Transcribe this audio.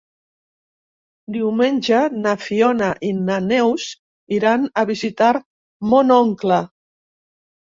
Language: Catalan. Diumenge na Fiona i na Neus iran a visitar mon oncle.